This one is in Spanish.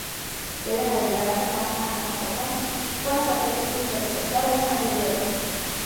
Pueden a llegar a formar anastomosis con las arterias intercostales anteriores.